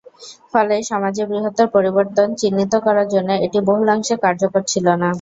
ফলে সমাজে বৃহত্তর পরিবর্তন চিহ্নিত করার জন্য এটি বহুলাংশে কার্যকর ছিল না।